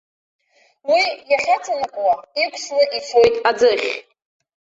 Уи иахьаҵанакуа иқәсны ицоит аӡыхь.